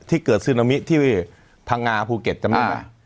เกิดซึนามิที่พังงาภูเก็ตจำได้ไหม